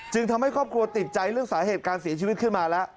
ทำให้ครอบครัวติดใจเรื่องสาเหตุการเสียชีวิตขึ้นมาแล้ว